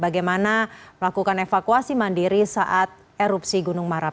bagaimana melakukan evakuasi mandiri saat erupsi gunung mara